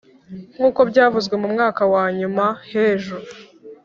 nk’uko byavuzwe, mu mwaka wa nyuma hejo